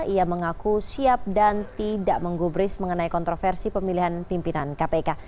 ia mengaku siap dan tidak menggubris mengenai kontroversi pemilihan pimpinan kpk